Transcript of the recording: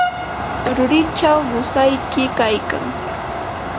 rurichaw qusayki kaykan.